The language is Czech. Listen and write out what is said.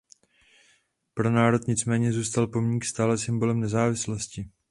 Pro národ nicméně zůstal pomník stále symbolem nezávislosti.